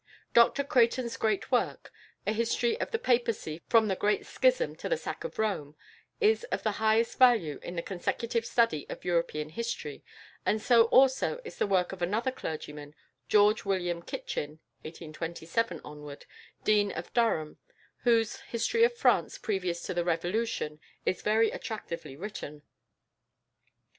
Dr Creighton's great work, "A History of the Papacy From the Great Schism to the Sack of Rome," is of the highest value in the consecutive study of European history; and so also is the work of another clergyman, =George William Kitchin (1827 )=, Dean of Durham, whose "History of France previous to the Revolution," is very attractively written.